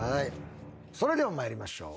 それでは参りましょう。